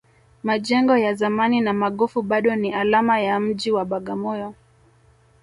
majengo ya zamani na magofu bado ni alama ya mji wa bagamoyo